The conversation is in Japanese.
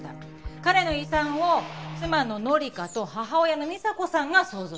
彼の遺産を妻の紀香と母親の美沙子さんが相続した。